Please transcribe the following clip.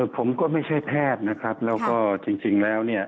ผมก็ไม่ใช่แพทย์นะครับแล้วก็จริงแล้วเนี่ย